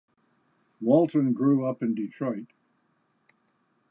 Walton grew up in Detroit.